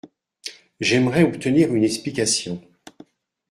J’aimerais obtenir une explication.